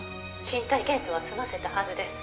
「身体検査は済ませたはずです」